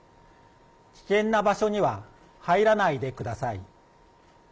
危険な場所には入らないでください。